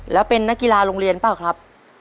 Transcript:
แล้วเป็นนักกีฬาโรงเรียนเปล่าครับ